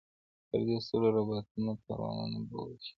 • پر دې ستړو رباتونو کاروانونه به ورکیږي -